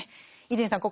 伊集院さん